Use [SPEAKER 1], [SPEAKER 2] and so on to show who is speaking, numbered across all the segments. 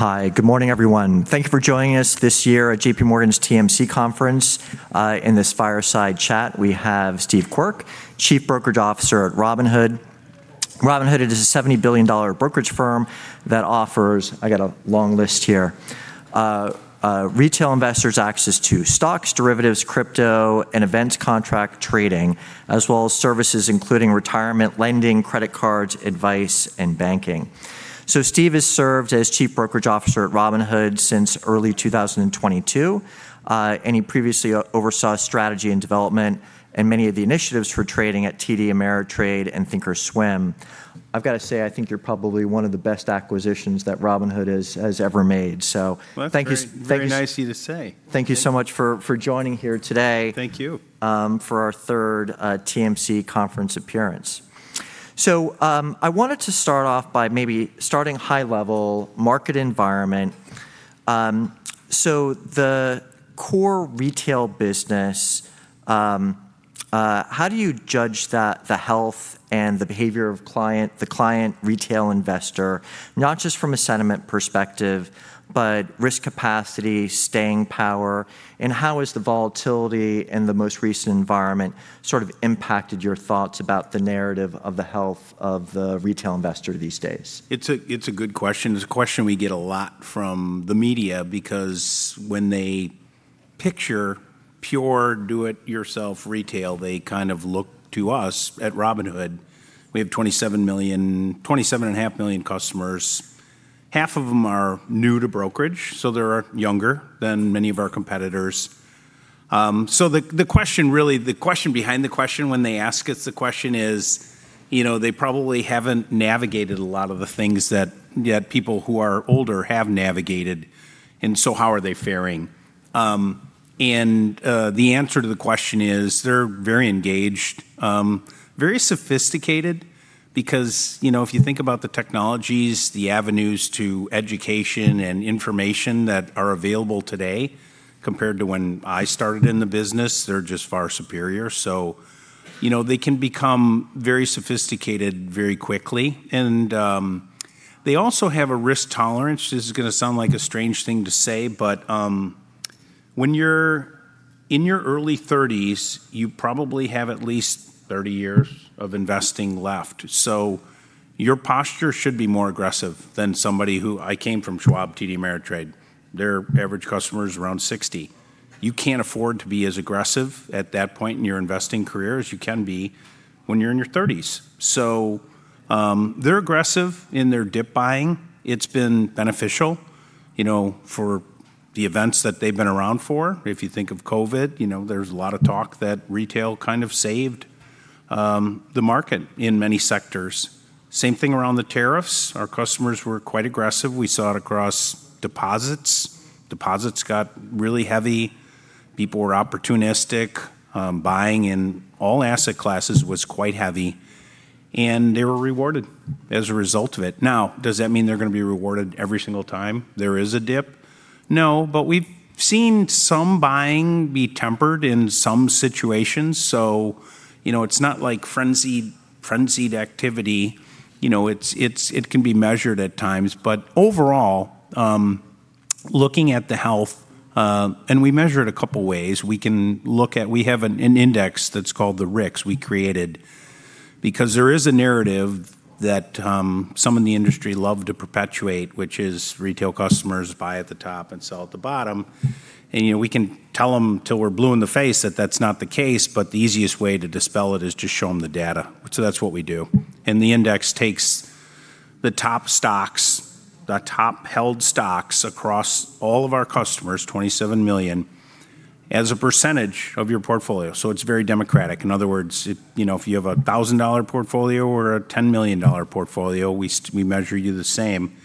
[SPEAKER 1] Hi, good morning, everyone. Thank you for joining us this year at J.P. Morgan's TMC conference. In this fireside chat, we have Steve Quirk, Chief Brokerage Officer at Robinhood. Robinhood is a $70 billion brokerage firm that offers, I got a long list here, retail investors access to stocks, derivatives, crypto, and events contract trading, as well as services including retirement, lending, credit cards, advice, and banking. Steve has served as Chief Brokerage Officer at Robinhood since early 2022. He previously oversaw strategy and development and many of the initiatives for trading at TD Ameritrade and thinkorswim. I've got to say, I think you're probably one of the best acquisitions that Robinhood has ever made. Thank you, thank you
[SPEAKER 2] Well, that's very, very nice of you to say.
[SPEAKER 1] Thank you so much for joining here today.
[SPEAKER 2] Thank you.
[SPEAKER 1] for our third TMC conference appearance. I wanted to start off by maybe starting high level market environment. The core retail business, how do you judge the health and the behavior of the client retail investor, not just from a sentiment perspective, but risk capacity, staying power, and how has the volatility in the most recent environment sort of impacted your thoughts about the narrative of the health of the retail investor these days?
[SPEAKER 2] It's a good question. It's a question we get a lot from the media because when they picture pure do-it-yourself retail, they kind of look to us at Robinhood. We have 27 million, 27 and a half million customers. Half of them are new to brokerage, so they're younger than many of our competitors. The question really, the question behind the question when they ask us the question is, you know, they probably haven't navigated a lot of the things that people who are older have navigated, how are they faring? The answer to the question is, they're very engaged, very sophisticated because, you know, if you think about the technologies, the avenues to education and information that are available today compared to when I started in the business, they're just far superior. You know, they can become very sophisticated very quickly. They also have a risk tolerance. This is going to sound like a strange thing to say, when you're in your early 30s, you probably have at least 30 years of investing left, your posture should be more aggressive than somebody I came from Schwab, TD Ameritrade. Their average customer is around 60. You can't afford to be as aggressive at that point in your investing career as you can be when you're in your 30s. They're aggressive in their dip buying. It's been beneficial, you know, for the events that they've been around for. If you think of COVID, you know, there's a lot of talk that retail kind of saved the market in many sectors. Same thing around the tariffs. Our customers were quite aggressive. We saw it across deposits. Deposits got really heavy. People were opportunistic. Buying in all asset classes was quite heavy, and they were rewarded as a result of it. Now, does that mean they're gonna be rewarded every single time there is a dip? No, but we've seen some buying be tempered in some situations, so, you know, it's not like frenzied activity. You know, it can be measured at times. Overall, looking at the health, and we measure it a couple ways. We have an index that's called the RIX we created because there is a narrative that some in the industry love to perpetuate, which is retail customers buy at the top and sell at the bottom. You know, we can tell them till we're blue in the face that that's not the case, but the easiest way to dispel it is to show them the data. That's what we do. The index takes the top stocks, the top-held stocks across all of our customers, 27 million, as a percentage of your portfolio. It's very democratic. In other words, you know, if you have a $1,000 portfolio or a $10 million portfolio, we measure you the same.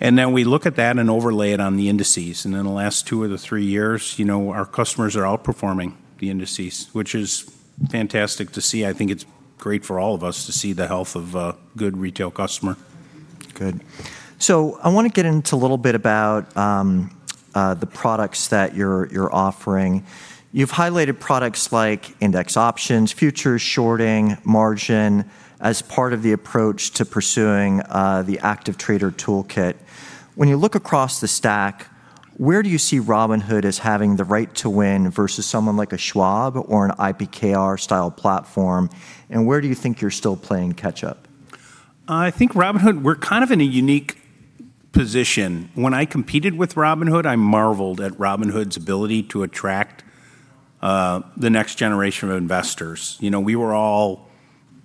[SPEAKER 2] Then we look at that and overlay it on the indices. In the last two of the three years, you know, our customers are outperforming the indices, which is fantastic to see. I think it's great for all of us to see the health of a good retail customer.
[SPEAKER 1] Good. I want to get into a little bit about the products that you're offering. You've highlighted products like index options, futures, shorting, margin, as part of the approach to pursuing the active trader toolkit. When you look across the stack, where do you see Robinhood as having the right to win versus someone like a Schwab or an IBKR-style platform, and where do you think you're still playing catch-up?
[SPEAKER 2] I think Robinhood, we're kind of in a unique position. When I competed with Robinhood, I marveled at Robinhood's ability to attract the next generation of investors. You know, we were all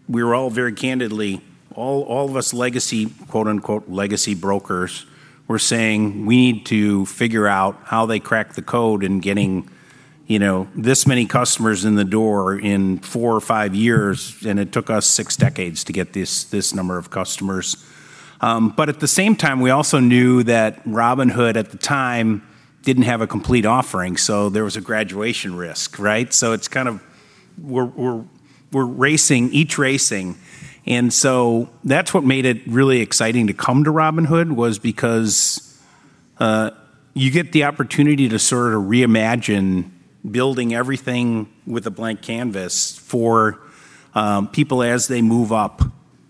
[SPEAKER 2] very candidly, all of us legacy, quote-unquote, legacy brokers were saying we need to figure out how they crack the code in getting, you know, this many customers in the door in four or five years, and it took us six decades to get this number of customers. At the same time, we also knew that Robinhood at the time didn't have a complete offering, so there was a graduation risk, right? It's kind of we're racing, each racing. That's what made it really exciting to come to Robinhood was because you get the opportunity to sort of reimagine building everything with a blank canvas for people as they move up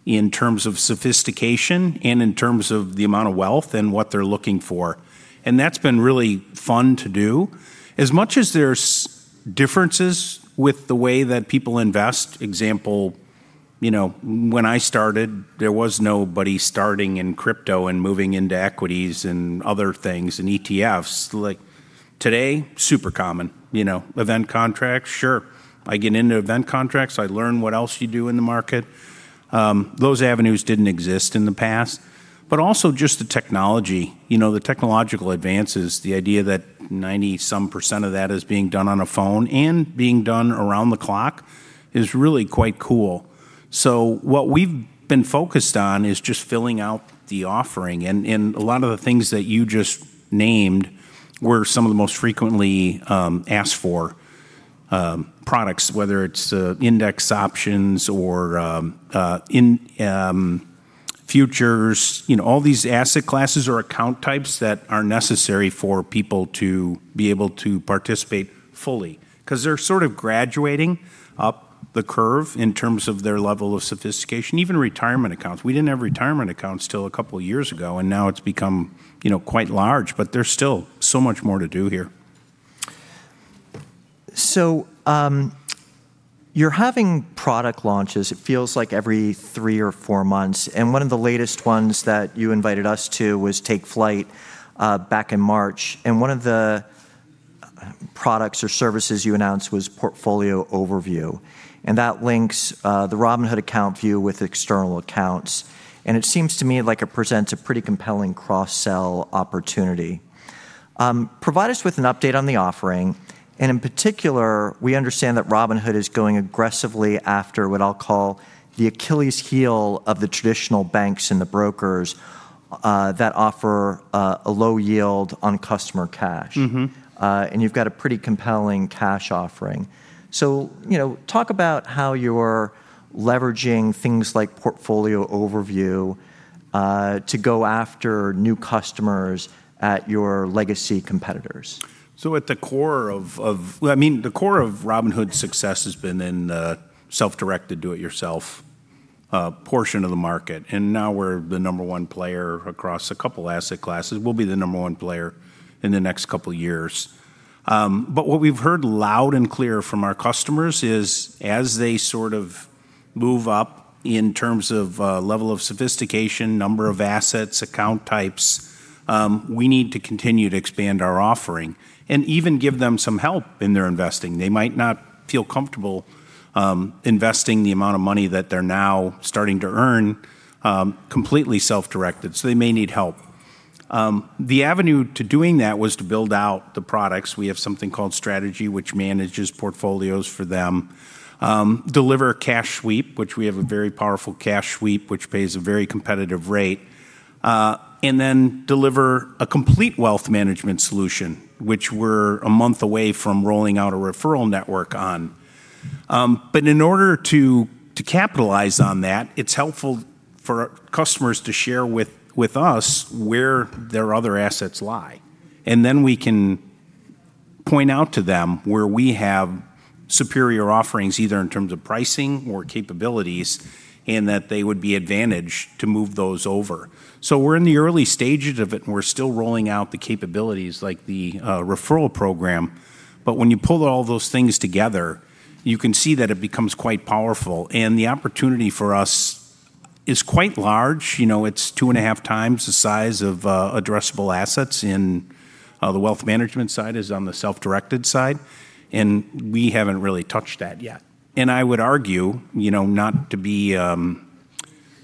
[SPEAKER 2] in terms of sophistication and in terms of the amount of wealth and what they're looking for. That's been really fun to do. As much as there's differences with the way that people invest, example, you know, when I started, there was nobody starting in crypto and moving into equities and other things and ETFs. Like, today, super common. You know, event contracts, sure. I get into event contracts, I learn what else you do in the market. Those avenues didn't exist in the past. Also just the technology, you know, the technological advances, the idea that 90-some% of that is being done on a phone and being done around the clock is really quite cool. What we've been focused on is just filling out the offering. A lot of the things that you just named were some of the most frequently asked for products, whether it's index options or futures. You know, all these asset classes are account types that are necessary for people to be able to participate fully. Because they're sort of graduating up the curve in terms of their level of sophistication. Even retirement accounts. We didn't have retirement accounts until a couple years ago, and now it's become, you know, quite large, but there's still so much more to do here.
[SPEAKER 1] You're having product launches, it feels like every three or four months, and one of the latest ones that you invited us to was Take Flight back in March. One of the products or services you announced was Portfolio Overview, and that links the Robinhood account view with external accounts. It seems to me like it presents a pretty compelling cross-sell opportunity. Provide us with an update on the offering, and in particular, we understand that Robinhood is going aggressively after what I'll call the Achilles heel of the traditional banks and the brokers that offer a low yield on customer cash. You've got a pretty compelling cash offering. You know, talk about how you're leveraging things like Portfolio Overview to go after new customers at your legacy competitors.
[SPEAKER 2] At the core of, I mean, the core of Robinhood's success has been in the self-directed, do it yourself portion of the market. Now we're the number one player across two asset classes. We'll be the number one player in the next couple of years. What we've heard loud and clear from our customers is, as they sort of move up in terms of level of sophistication, number of assets, account types, we need to continue to expand our offering and even give them some help in their investing. They might not feel comfortable investing the amount of money that they're now starting to earn completely self-directed, so they may need help. The avenue to doing that was to build out the products. We have something called Strategy, which manages portfolios for them. Deliver cash sweep, which we have a very powerful cash sweep, which pays a very competitive rate. Deliver a complete wealth management solution, which we're a month away from rolling out a referral network on. In order to capitalize on that, it's helpful for customers to share with us where their other assets lie. We can point out to them where we have superior offerings, either in terms of pricing or capabilities, and that they would be advantaged to move those over. We're in the early stages of it, and we're still rolling out the capabilities like the referral program. When you pull all those things together, you can see that it becomes quite powerful. The opportunity for us is quite large. You know, it's 2.5x the size of addressable assets in the wealth management side as on the self-directed side. We haven't really touched that yet. I would argue, you know, not to be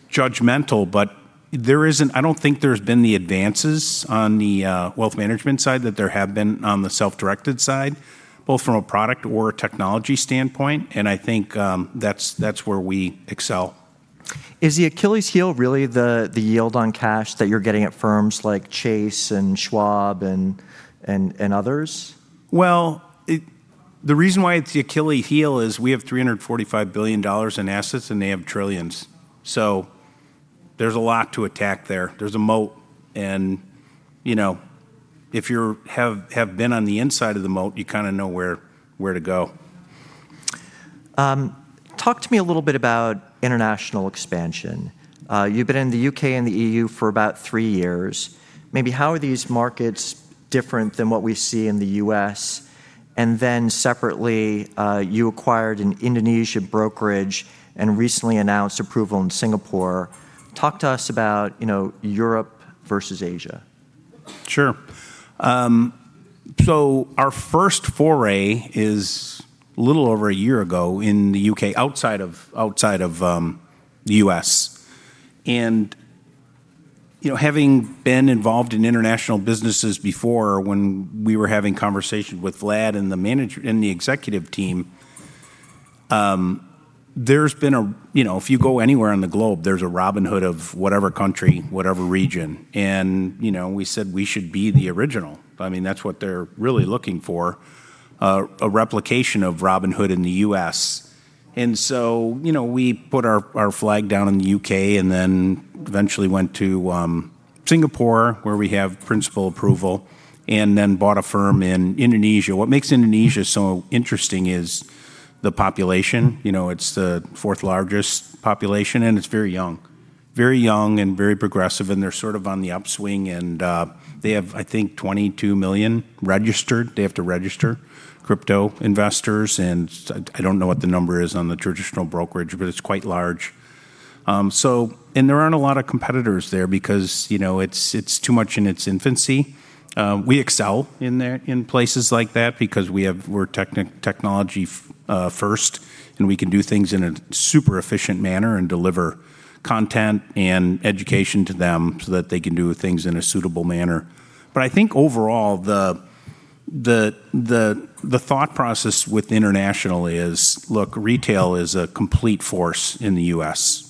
[SPEAKER 2] judgmental, but I don't think there's been the advances on the wealth management side that there have been on the self-directed side, both from a product or a technology standpoint, and I think, that's where we excel.
[SPEAKER 1] Is the Achilles heel really the yield on cash that you're getting at firms like Chase and Schwab and others?
[SPEAKER 2] Well, the reason why it's the Achilles heel is we have $345 billion in assets, and they have trillions. There's a lot to attack there. There's a moat and, you know, if you've been on the inside of the moat, you kind of know where to go.
[SPEAKER 1] Talk to me a little bit about international expansion. You've been in the U.K. and the E.U. for about three years. Maybe how are these markets different than what we see in the U.S.? Separately, you acquired an Indonesia brokerage and recently announced approval in Singapore. Talk to us about, you know, Europe versus Asia.
[SPEAKER 2] Sure. Our first foray is a little over a year ago in the U.K., outside of the U.S. You know, having been involved in international businesses before when we were having conversations with Vlad and the executive team, there's been, you know, if you go anywhere on the globe, there's a Robinhood of whatever country, whatever region. You know, we said we should be the original. I mean, that's what they're really looking for, a replication of Robinhood in the U.S. You know, we put our flag down in the U.K. and then eventually went to Singapore where we have principal approval and then bought a firm in Indonesia. What makes Indonesia so interesting is the population. You know, it's the fourth largest population and it's very young. Very young and very progressive, and they're sort of on the upswing and they have, I think, 22 million registered, they have to register, crypto investors, and I don't know what the number is on the traditional brokerage, but it's quite large. There aren't a lot of competitors there because, you know, it's too much in its infancy. We excel in there, in places like that because we're technology first, and we can do things in a super efficient manner and deliver content and education to them so that they can do things in a suitable manner. I think overall, the thought process with international is, look, retail is a complete force in the U.S.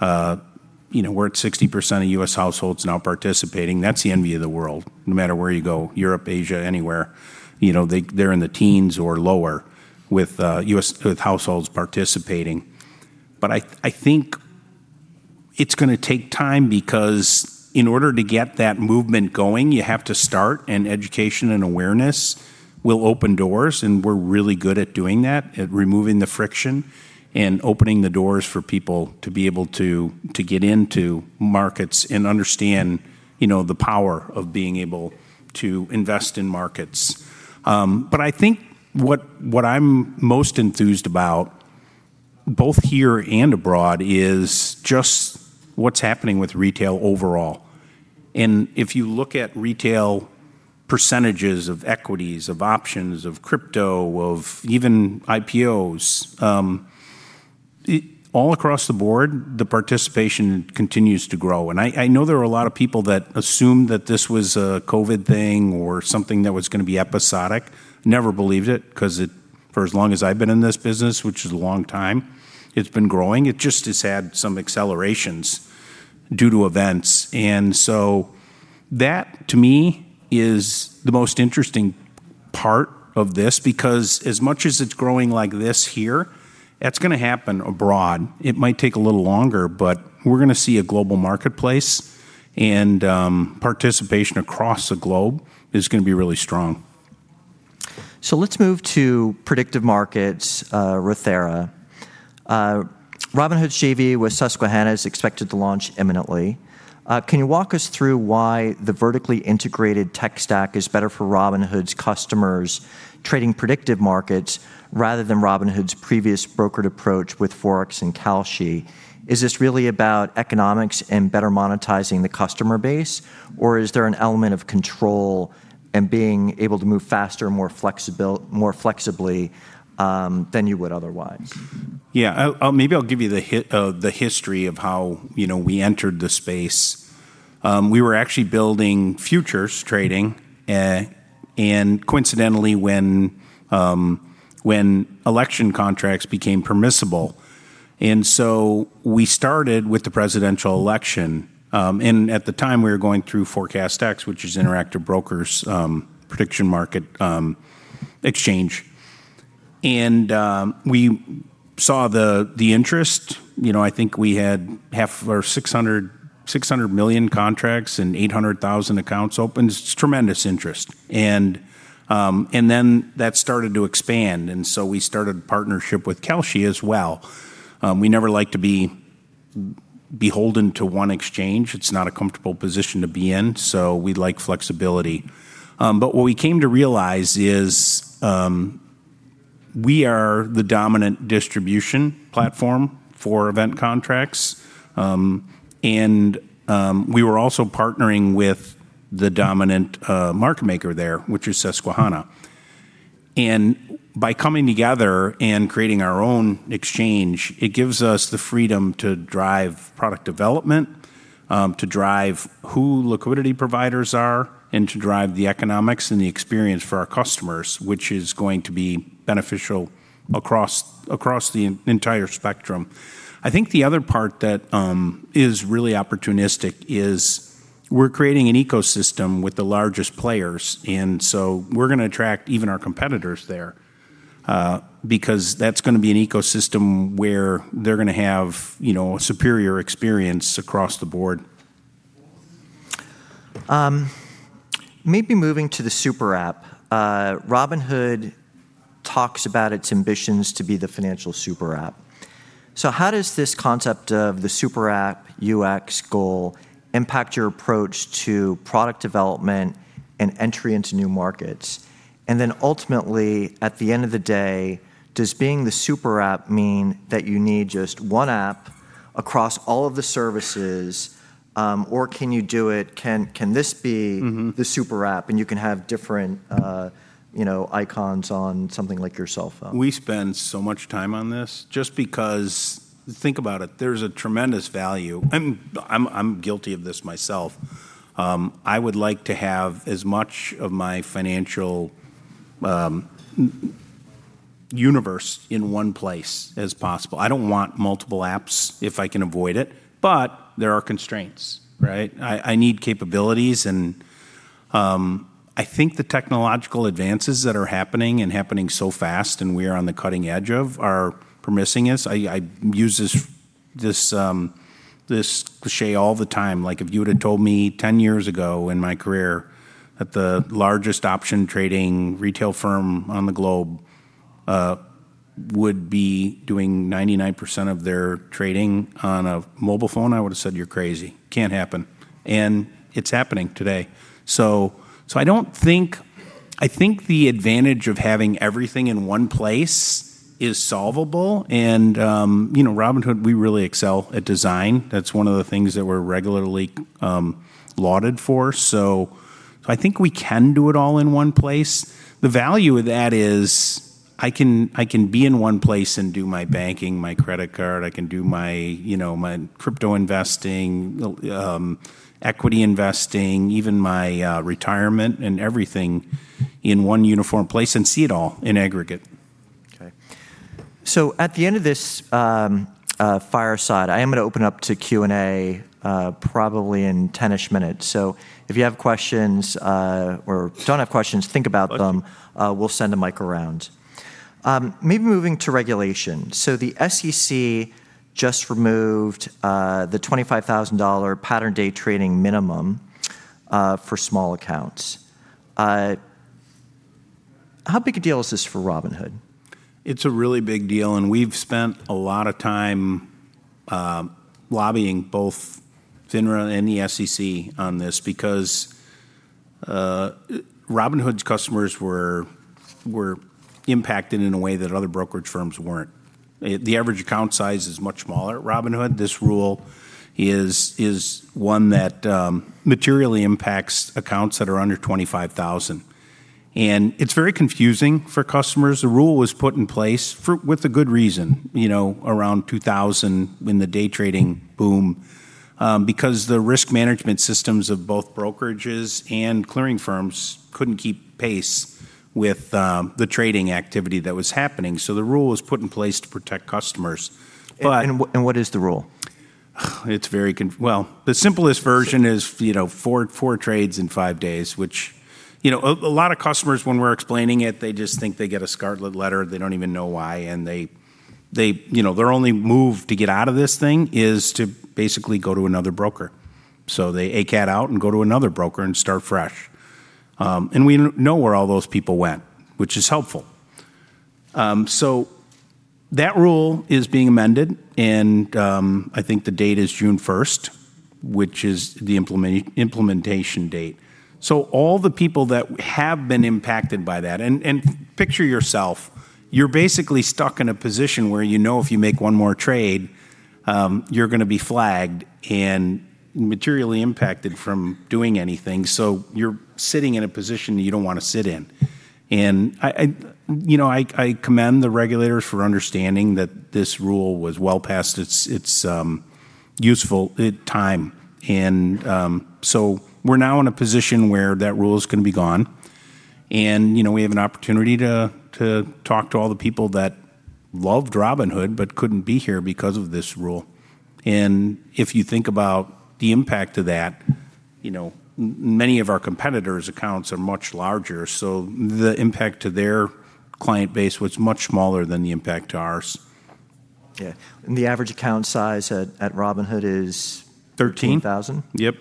[SPEAKER 2] You know, we're at 60% of U.S. households now participating. That's the envy of the world, no matter where you go, Europe, Asia, anywhere. You know, they're in the teens or lower with U.S. households participating. I think it's gonna take time because in order to get that movement going, you have to start, and education and awareness will open doors, and we're really good at doing that, at removing the friction and opening the doors for people to be able to get into markets and understand, you know, the power of being able to invest in markets. I think what I'm most enthused about, both here and abroad, is just what's happening with retail overall. If you look at retail percentages of equities, of options, of crypto, of even IPOs, all across the board, the participation continues to grow. I know there are a lot of people that assume that this was a COVID thing or something that was gonna be episodic. Never believed it, 'cause it, for as long as I've been in this business, which is a long time, it's been growing. It just has had some accelerations due to events. That, to me, is the most interesting part of this because as much as it's growing like this here, that's gonna happen abroad. It might take a little longer, but we're gonna see a global marketplace and participation across the globe is gonna be really strong.
[SPEAKER 1] Let's move to predictive markets, Rothera. Robinhood's JV with Susquehanna is expected to launch imminently. Can you walk us through why the vertically integrated tech stack is better for Robinhood's customers trading predictive markets rather than Robinhood's previous brokered approach with ForecastEx and Kalshi? Is this really about economics and better monetizing the customer base, or is there an element of control and being able to move faster and more flexibly than you would otherwise?
[SPEAKER 2] Maybe I'll give you the history of how, you know, we entered the space. We were actually building futures trading, coincidentally when election contracts became permissible. We started with the presidential election, at the time, we were going through ForecastEx, which is Interactive Brokers' prediction market exchange. We saw the interest. You know, I think we had half or 600 million contracts and 800,000 accounts opened. It's tremendous interest. That started to expand, we started partnership with Kalshi as well. We never like to be beholden to one exchange. It's not a comfortable position to be in, we like flexibility. What we came to realize is, we are the dominant distribution platform for event contracts, and we were also partnering with the dominant market maker there, which is Susquehanna. By coming together and creating our own exchange, it gives us the freedom to drive product development, to drive who liquidity providers are, and to drive the economics and the experience for our customers, which is going to be beneficial across the entire spectrum. I think the other part that is really opportunistic is we're creating an ecosystem with the largest players, we're gonna attract even our competitors there, because that's gonna be an ecosystem where they're gonna have, you know, superior experience across the board.
[SPEAKER 1] Maybe moving to the super app. Robinhood talks about its ambitions to be the financial super app. How does this concept of the super app UX goal impact your approach to product development and entry into new markets? Ultimately, at the end of the day, does being the super app mean that you need just one app across all of the services, or can you do it? The super app and you can have different, you know, icons on something like your cell phone?
[SPEAKER 2] We spend so much time on this just because, think about it, there's a tremendous value. I'm guilty of this myself. I would like to have as much of my financial universe in one place as possible. I don't want multiple apps if I can avoid it. There are constraints, right? I need capabilities and I think the technological advances that are happening so fast and we are on the cutting edge of are promising us. I use this cliché all the time. Like, if you would've told me 10 years ago in my career that the largest option trading retail firm on the globe would be doing 99% of their trading on a mobile phone, I would've said, You're crazy. Can't happen. It's happening today. I don't think the advantage of having everything in one place is solvable and, you know, Robinhood, we really excel at design. That's one of the things that we're regularly lauded for. I think we can do it all in one place. The value of that is I can be in one place and do my banking, my credit card, I can do my, you know, my crypto investing, equity investing, even my retirement and everything in one uniform place and see it all in aggregate.
[SPEAKER 1] Okay. At the end of this, fireside, I am gonna open up to Q&A, probably in 10-ish minutes. If you have questions, or don't have questions, think about them.
[SPEAKER 2] Okay.
[SPEAKER 1] We'll send a mic around. Maybe moving to regulation. The SEC just removed the $25,000 pattern day trading minimum for small accounts. How big a deal is this for Robinhood?
[SPEAKER 2] It's a really big deal, and we've spent a lot of time lobbying both FINRA and the SEC on this because Robinhood's customers were impacted in a way that other brokerage firms weren't. The average account size is much smaller at Robinhood. This rule is one that materially impacts accounts that are under 25,000. It's very confusing for customers. The rule was put in place with a good reason, you know, around 2000 when the day trading boom, because the risk management systems of both brokerages and clearing firms couldn't keep pace with the trading activity that was happening. The rule was put in place to protect customers.
[SPEAKER 1] What is the rule?
[SPEAKER 2] Well, the simplest version is, you know, four trades in five days, which, you know, a lot of customers when we're explaining it, they just think they get a scarlet letter. They don't even know why, they, you know, their only move to get out of this thing is to basically go to another broker. They ACAT out and go to another broker and start fresh. We know where all those people went, which is helpful. That rule is being amended and I think the date is June 1st, which is the implementation date. All the people that have been impacted by that, and picture yourself, you're basically stuck in a position where you know if you make one more trade, you're going to be flagged and materially impacted from doing anything, so you're sitting in a position that you don't want to sit in. I, you know, I commend the regulators for understanding that this rule was well past its useful time. We're now in a position where that rule is going to be gone and, you know, we have an opportunity to talk to all the people that loved Robinhood but couldn't be here because of this rule. If you think about the impact of that, you know, many of our competitors' accounts are much larger, so the impact to their client base was much smaller than the impact to ours.
[SPEAKER 1] Yeah. The average account size at Robinhood is-
[SPEAKER 2] 13
[SPEAKER 1] thousand?
[SPEAKER 2] Yep.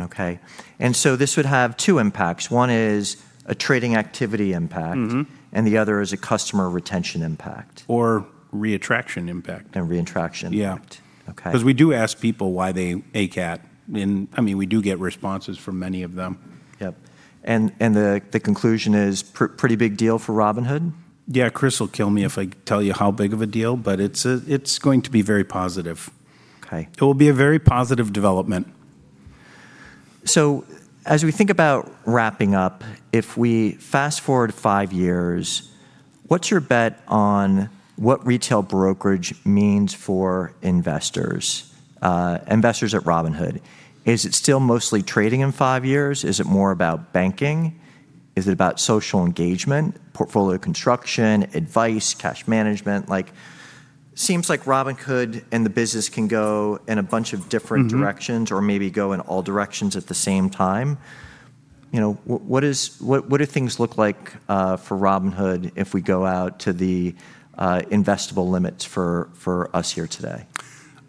[SPEAKER 1] Okay. This would have 2 impacts. One is a trading activity impact. The other is a customer retention impact.
[SPEAKER 2] Reattraction impact.
[SPEAKER 1] reattraction impact.
[SPEAKER 2] Yeah.
[SPEAKER 1] Okay.
[SPEAKER 2] We do ask people why they ACAT, and I mean, we do get responses from many of them.
[SPEAKER 1] Yep. The, the conclusion is pretty big deal for Robinhood?
[SPEAKER 2] Yeah. Chris will kill me if I tell you how big of a deal, but it's going to be very positive.
[SPEAKER 1] Okay.
[SPEAKER 2] It will be a very positive development.
[SPEAKER 1] As we think about wrapping up, if we fast-forward five years, what's your bet on what retail brokerage means for investors at Robinhood? Is it still mostly trading in five years? Is it more about banking? Is it about social engagement, portfolio construction, advice, cash management? directions or maybe go in all directions at the same time. You know, what is, what do things look like for Robinhood if we go out to the investable limits for us here today?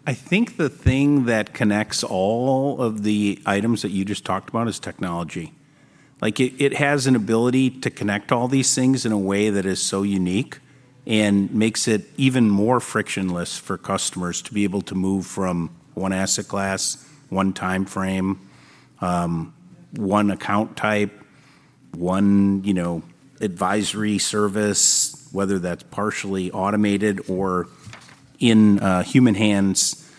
[SPEAKER 2] I think the thing that connects all of the items that you just talked about is technology. Like, it has an ability to connect all these things in a way that is so unique and makes it even more frictionless for customers to be able to move from one asset class, one timeframe, one account type, one, you know, advisory service, whether that's partially automated or in human hands,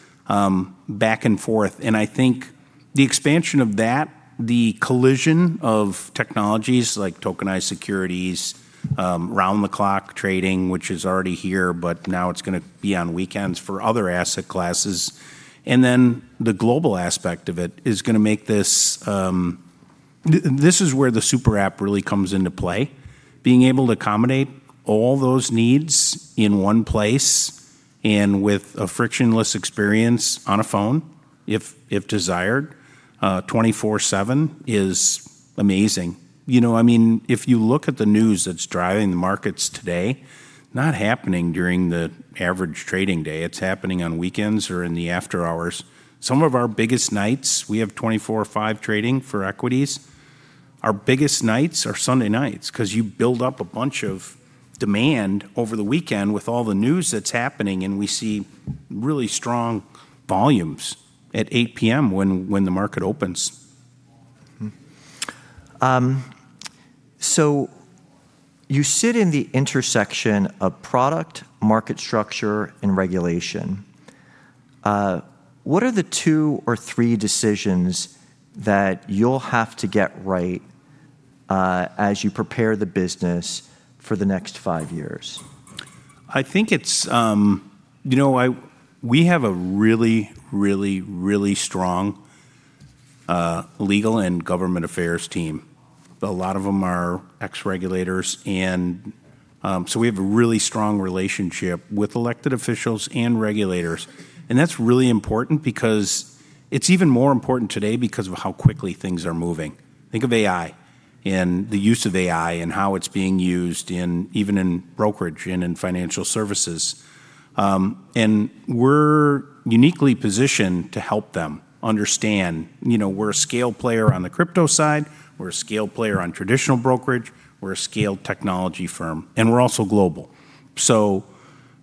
[SPEAKER 2] back and forth. I think the expansion of that, the collision of technologies like tokenized securities, round-the-clock trading, which is already here, but now it's gonna be on weekends for other asset classes, and then the global aspect of it is gonna make this. This is where the super app really comes into play. Being able to accommodate all those needs in one place and with a frictionless experience on a phone, if desired, 24/7 is amazing. You know, I mean, if you look at the news that's driving the markets today, it's not happening during the average trading day. It's happening on weekends or in the after-hours. Some of our biggest nights, we have 24/5 trading for equities. Our biggest nights are Sunday nights, 'cause you build up a bunch of demand over the weekend with all the news that's happening. We see really strong volumes at 8:00 P.M. when the market opens.
[SPEAKER 1] You sit in the intersection of product, market structure, and regulation. What are the two or three decisions that you'll have to get right as you prepare the business for the next five years?
[SPEAKER 2] I think it's, you know, we have a really, really, really strong legal and government affairs team. A lot of them are ex-regulators and so we have a really strong relationship with elected officials and regulators. That's really important because it's even more important today because of how quickly things are moving. Think of AI and the use of AI and how it's being used in, even in brokerage and in financial services. We're uniquely positioned to help them understand, you know, we're a scale player on the crypto side, we're a scale player on traditional brokerage, we're a scale technology firm, and we're also global.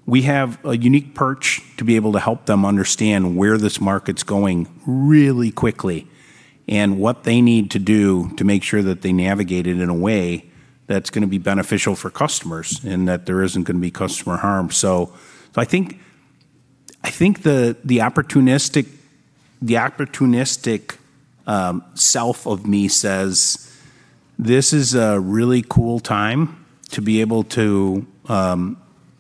[SPEAKER 2] We have a unique perch to be able to help them understand where this market's going really quickly and what they need to do to make sure that they navigate it in a way that's gonna be beneficial for customers and that there isn't gonna be customer harm. I think the opportunistic self of me says, this is a really cool time to be able to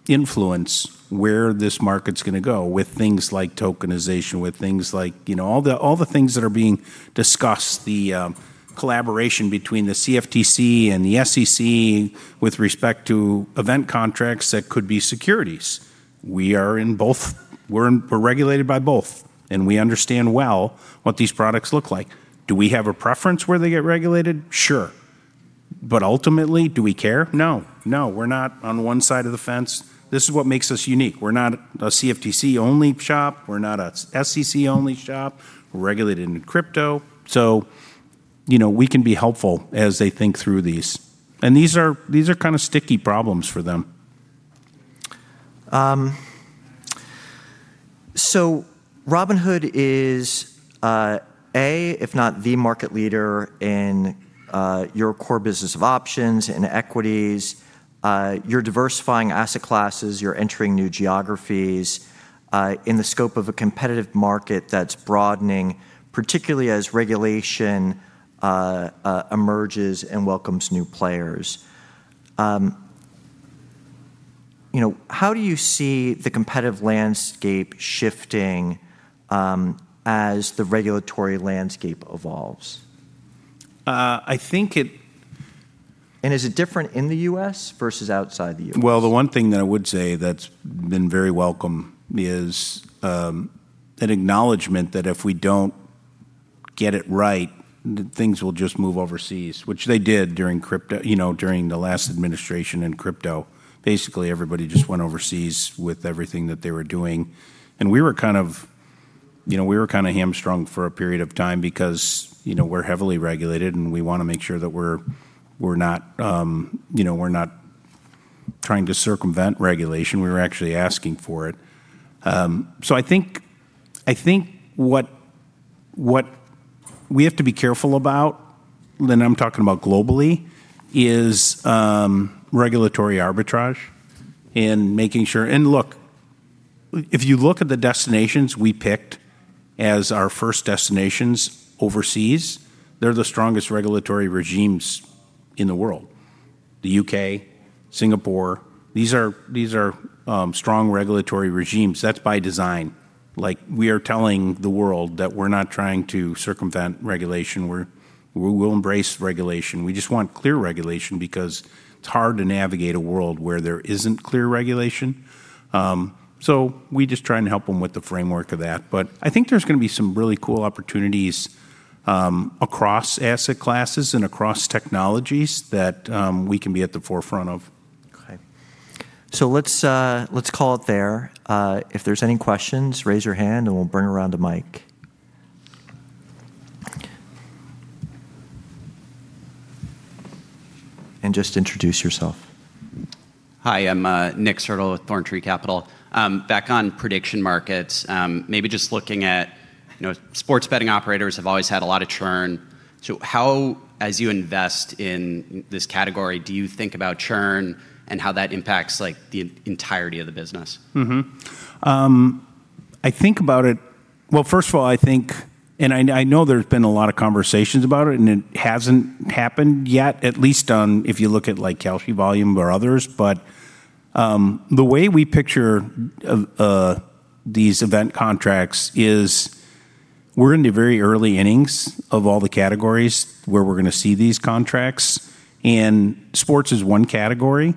[SPEAKER 2] influence where this market's gonna go with things like tokenization, with things like, you know, all the things that are being discussed. Collaboration between the CFTC and the SEC with respect to event contracts that could be securities. We're regulated by both, and we understand well what these products look like. Do we have a preference where they get regulated? Sure. Ultimately, do we care? No. No, we're not on one side of the fence. This is what makes us unique. We're not a CFTC-only shop. We're not a SEC-only shop. We're regulated in crypto, you know, we can be helpful as they think through these. These are kinda sticky problems for them.
[SPEAKER 1] Robinhood is, a, if not the market leader in your core business of options and equities. You're diversifying asset classes, you're entering new geographies, in the scope of a competitive market that's broadening, particularly as regulation emerges and welcomes new players. You know, how do you see the competitive landscape shifting as the regulatory landscape evolves?
[SPEAKER 2] Uh, I think it-
[SPEAKER 1] Is it different in the U.S. versus outside the U.S.?
[SPEAKER 2] Well, the one thing that I would say that's been very welcome is an acknowledgment that if we don't get it right, things will just move overseas, which they did during crypto, you know, during the last administration in crypto. Basically, everybody just went overseas with everything that they were doing. We were kind of, you know, we were kinda hamstrung for a period of time because, you know, we're heavily regulated, and we wanna make sure that we're not, you know, we're not trying to circumvent regulation. We were actually asking for it. I think what we have to be careful about, and I'm talking about globally, is regulatory arbitrage and making sure. Look, if you look at the destinations we picked as our first destinations overseas, they're the strongest regulatory regimes in the world. The U.K., Singapore, these are strong regulatory regimes. That's by design. Like, we are telling the world that we're not trying to circumvent regulation. We'll embrace regulation. We just want clear regulation because it's hard to navigate a world where there isn't clear regulation. We just try and help them with the framework of that. I think there's gonna be some really cool opportunities across asset classes and across technologies that we can be at the forefront of.
[SPEAKER 1] Okay. Let's call it there. If there's any questions, raise your hand, and we'll bring around a mic. Just introduce yourself.
[SPEAKER 3] Hi, I'm Nick Sertl with ThornTree Capital Partners. Back on prediction markets, maybe just looking at, you know, sports betting operators have always had a lot of churn. How, as you invest in this category, do you think about churn and how that impacts, like, the entirety of the business?
[SPEAKER 2] Well, first of all, I think, and I know there's been a lot of conversations about it, and it hasn't happened yet, at least on, if you look at, like, Kalshi Volume or others. The way we picture these event contracts is. We're in the very early innings of all the categories where we're gonna see these contracts, and sports is one category.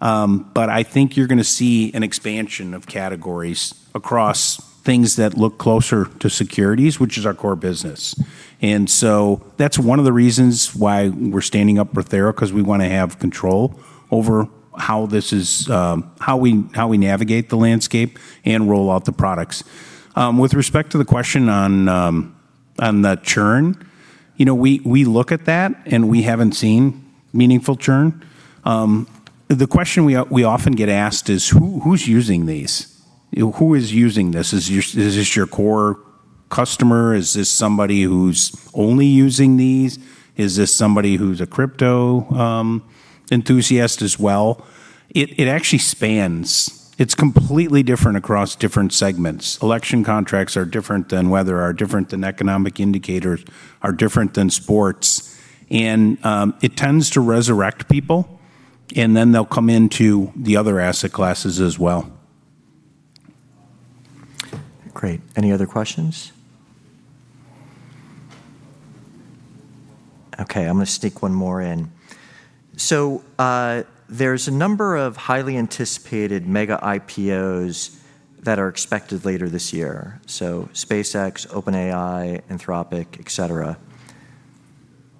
[SPEAKER 2] I think you're gonna see an expansion of categories across things that look closer to securities, which is our core business. That's one of the reasons why we're standing up Rothera, 'cause we wanna have control over how this is, how we navigate the landscape and roll out the products. With respect to the question on the churn, you know, we look at that, and we haven't seen meaningful churn. The question we often get asked is who's using these? You know, who is using this? Is this your core customer? Is this somebody who's only using these? Is this somebody who's a crypto enthusiast as well? It actually spans. It's completely different across different segments. Election contracts are different than weather are different than economic indicators are different than sports. It tends to resurrect people, and then they'll come into the other asset classes as well.
[SPEAKER 1] Great. Any other questions? Okay, I'm going to sneak one more in. There's a number of highly anticipated mega IPOs that are expected later this year, so SpaceX, OpenAI, Anthropic, et cetera.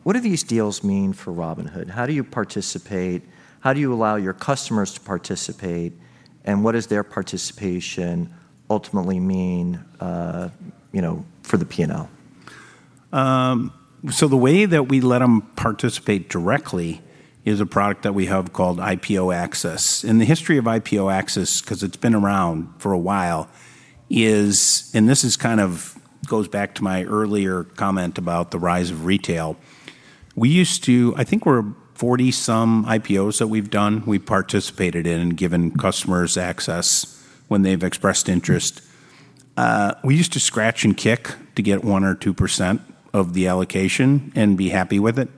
[SPEAKER 1] What do these deals mean for Robinhood? How do you participate? How do you allow your customers to participate, and what does their participation ultimately mean, you know, for the P&L?
[SPEAKER 2] The way that we let them participate directly is a product that we have called IPO Access. The history of IPO Access, 'cause it's been around for a while, this is kind of goes back to my earlier comment about the rise of retail. I think we're 40 some IPOs that we've done, we participated in and given customers access when they've expressed interest. We used to scratch and kick to get 1% or 2% of the allocation and be happy with it.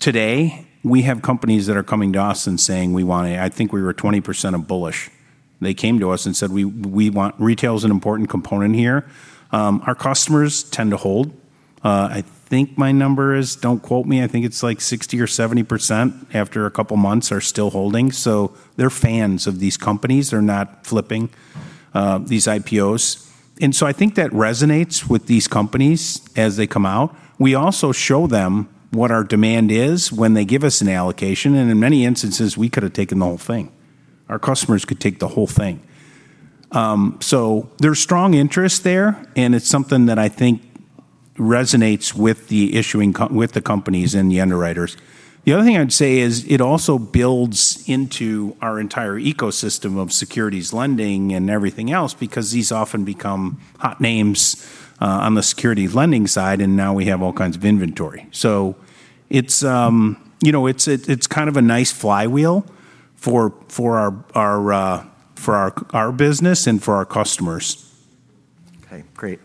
[SPEAKER 2] Today, we have companies that are coming to us and saying, I think we were 20% of [Bullish]. They came to us and said, retail is an important component here. Our customers tend to hold. I think my number is, don't quote me, I think it's like 60% or 70% after two months are still holding. They're fans of these companies. They're not flipping these IPOs. I think that resonates with these companies as they come out. We also show them what our demand is when they give us an allocation, and in many instances, we could have taken the whole thing. Our customers could take the whole thing. There's strong interest there, and it's something that I think resonates with the issuing companies and the underwriters. The other thing I'd say is it also builds into our entire ecosystem of securities lending and everything else because these often become hot names on the securities lending side, and now we have all kinds of inventory. It's, you know, it's kind of a nice flywheel for our business and for our customers.
[SPEAKER 1] Okay, great.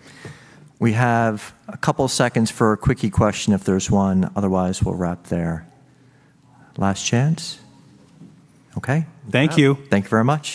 [SPEAKER 1] We have a couple seconds for a quickie question if there's one. Otherwise, we'll wrap there. Last chance. Okay.
[SPEAKER 2] Thank you.
[SPEAKER 1] Thank you very much.